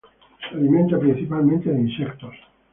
Se alimenta principalmente de insectos.